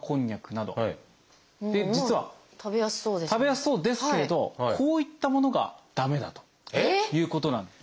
食べやすそうですけどこういったものが駄目だということなんです。